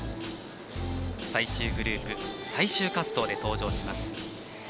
最終グループ、最終滑走で登場します。